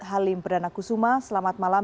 halim perdana kusuma selamat malam